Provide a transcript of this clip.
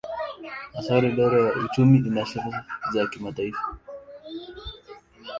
Hasa idara ya uchumi ina sifa za kimataifa.